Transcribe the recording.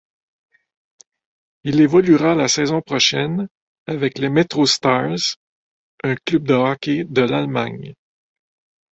Il évoluera la saison prochaine avec les MetroStars, un club de hockey de l'Allemagne.